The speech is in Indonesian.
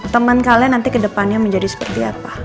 teman kalian nanti ke depannya menjadi seperti apa